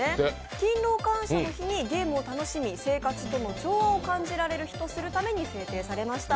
勤労感謝の日にゲームを楽しみ生活との調和を感じられる日と制定されました。